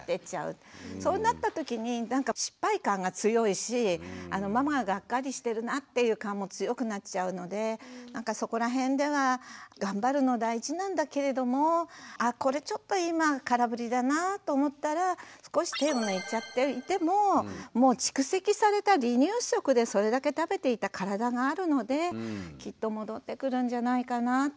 そうなった時になんか失敗感が強いしママががっかりしてるなっていう感も強くなっちゃうのでなんかそこら辺では頑張るの大事なんだけれどもあこれちょっと今空振りだなぁと思ったら少し手を抜いちゃっていてももう蓄積された離乳食でそれだけ食べていた体があるのできっと戻ってくるんじゃないかなぁと。